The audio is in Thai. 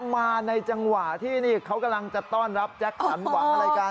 มาในจังหวะที่นี่เขากำลังจะต้อนรับแจ็คสันหวังอะไรกัน